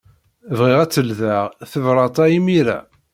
Bɣiɣ ad teldey tebṛat-a imir-a.